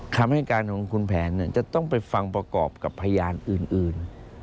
คำให้การของคุณแผนจะต้องไปฟังประกอบกับพยานอื่น